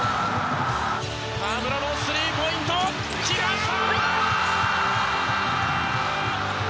河村のスリーポイント決まった！